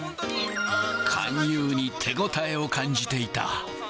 勧誘に手応えを感じていた。